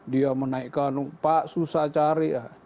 dia menaikkan pak susah cari